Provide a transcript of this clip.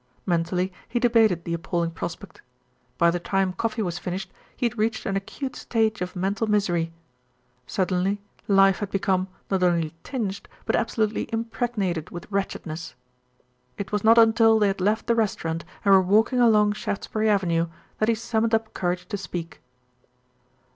Mentally he debated the appalling prospect. By the time coffee was finished he had reached an acute stage of mental misery. Suddenly life had become, not only tinged, but absolutely impregnated with wretchedness. It was not until they had left the restaurant and were walking along Shaftesbury Avenue that he summoned up courage to speak.